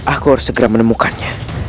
aku harus segera menemukannya